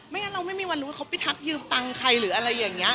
งั้นเราไม่มีวันรู้ว่าเขาไปทักยืมตังค์ใครหรืออะไรอย่างนี้